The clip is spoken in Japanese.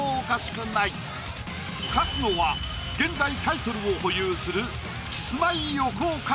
勝つのは現在タイトルを保有するキスマイ・横尾か？